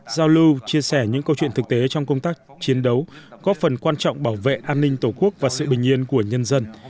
giao lưu chia sẻ những câu chuyện thực tế trong công tác chiến đấu góp phần quan trọng bảo vệ an ninh tổ quốc và sự bình yên của nhân dân